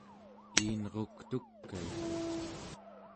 iinruktukait